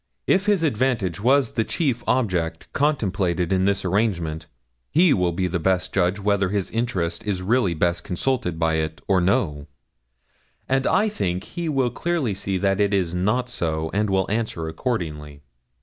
If his advantage was the chief object contemplated in this arrangement, he will be the best judge whether his interest is really best consulted by it or no; and I think he will clearly see that it is not so, and will answer accordingly.'